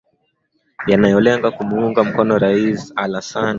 yanayolenga kumuunga mkono rais alasan watera